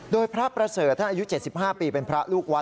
โดยพระประเสริฐท่านอายุ๗๕ปีเป็นพระลูกวัด